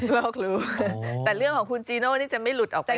เรารู้แต่เรื่องของคุณจีโน่นี่จะไม่หลุดออกไป